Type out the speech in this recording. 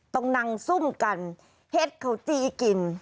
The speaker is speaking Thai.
ต้องนั่งซุ่มกันเห็ดเขาจี้กิน